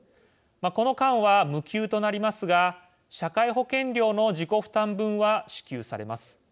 この間は無給となりますが社会保険料の自己負担分は支給されます。